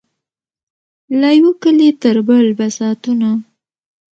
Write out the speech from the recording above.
له یوه کلي تر بل به ساعتونه